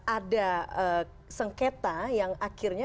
ada sengketa yang akhirnya